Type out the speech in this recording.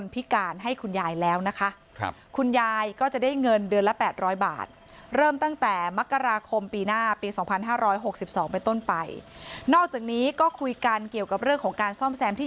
ไปนอกจากนี้ก็คุยกันเกี่ยวกับเรื่องของการซ่อมแซมที่